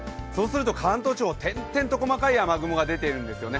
関東地方、点々と細かい雨雲が出てるんですよね。